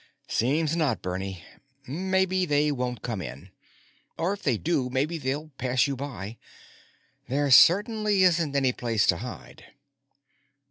"Seems not, Bernie. Maybe they won't come in. Or if they do, maybe they'll pass you by. There certainly isn't any place to hide."